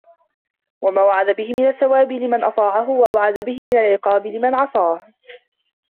وَمَا وَعَدَ بِهِ مِنْ الثَّوَابِ لِمَنْ أَطَاعَهُ وَأَوْعَدَ بِهِ مِنْ الْعِقَابِ لِمَنْ عَصَاهُ